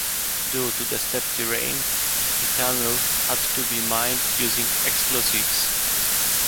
Due to the steep terrain, the tunnel had to be mined using explosives.